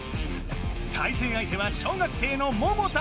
対戦相手は小学生の百汰さん。